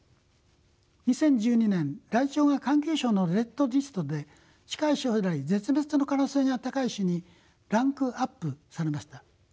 ２０１２年ライチョウが環境省のレッドリストで近い将来絶滅の可能性が高い種にランクアップされました。